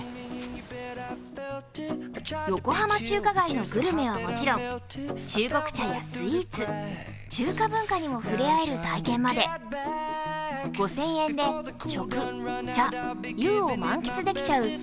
横浜中華街のグルメはもちろん、中国茶やスイーツ、中華文化にも触れあえる体験まで５０００円で食、茶、遊を満喫できちゃう